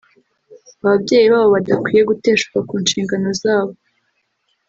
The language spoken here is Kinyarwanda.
ababyeyi babo badakwiye guteshuka ku nshingano zabo